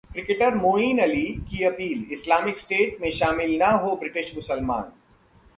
cricketer Moeen Ali की appeal, Islamic State में शामिल न हों ब्रिटिश मुसलमान